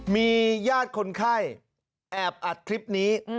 มีญาติคนไข้แอบอัดคลิปนี้